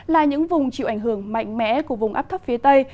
là những vùng chịu ảnh hưởng mạnh mẽ của vùng áp thấp phía tây